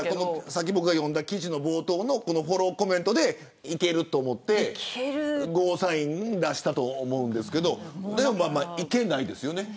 さっき僕が読んだ記事の冒頭のフォローコメントでいけると思って、ゴーサインを出したと思うんですけどいけないですよね。